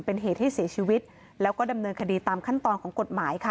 เป็นเหตุให้เสียชีวิตแล้วก็ดำเนินคดีตามขั้นตอนของกฎหมายค่ะ